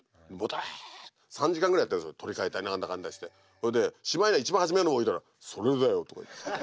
それでしまいには一番初めの置いたら「それだよ」とか言って。